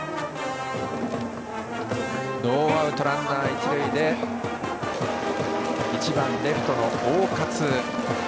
ノーアウトランナー、一塁で１番レフトの大勝。